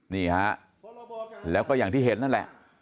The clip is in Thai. นี่ฮะแล้วก็อย่างที่เห็นนั่นแหละ